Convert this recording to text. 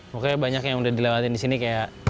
pokoknya banyak yang udah dilewatin di sini kayak